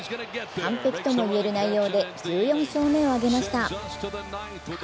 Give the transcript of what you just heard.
完璧ともいえる内容で１４勝目を挙げました。